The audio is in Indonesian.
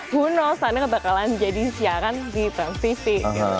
who knows sandra bakalan jadi siaran di transvisi